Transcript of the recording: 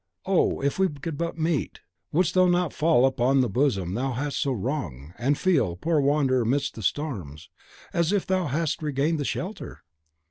Oh, if we could but meet, wouldst thou not fall upon the bosom thou hast so wronged, and feel, poor wanderer amidst the storms, as if thou hadst regained the shelter?